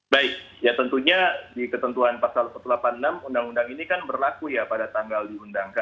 baik ya tentunya di ketentuan pasal satu ratus delapan puluh enam undang undang ini kan berlaku ya pada tanggal diundangkan